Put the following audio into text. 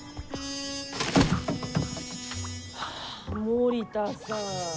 森田さん。